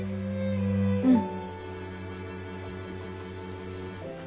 うん。